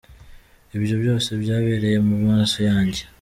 Ibyo byose byabereye mu maso yanjye.